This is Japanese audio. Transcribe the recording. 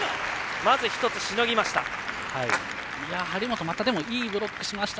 まず１つ、しのぎました。